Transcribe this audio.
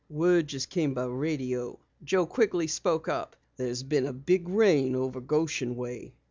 "Word just came in by radio," Joe Quigley spoke up. "There's been a big rain over Goshen way."